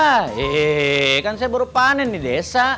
hea kan saya baru panen di desa